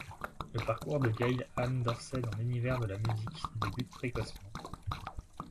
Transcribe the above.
Le parcours de Gail Ann Dorsey dans l'univers de la musique débute précocement.